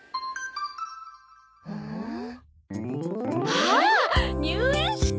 ああ入園式！